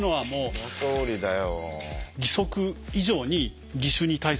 そのとおりだよ。